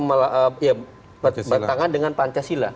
bertentangan dengan pancasila